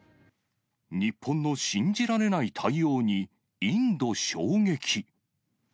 日本の信じられない対応に、インド衝撃。